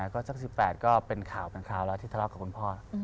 ก็สัก๑๘ก็เป็นข่าวแล้วที่ทะเลาะกับคุณพ่อ